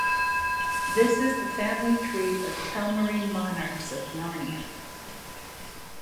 This is the family tree of Telmarine monarchs of Narnia.